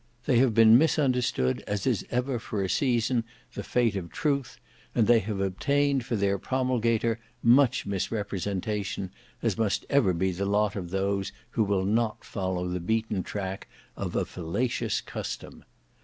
They have been misunderstood as is ever for a season the fate of Truth, and they have obtained for their promulgator much misrepresentation as must ever be the lot of those who will not follow the beaten track of a fallacious custom.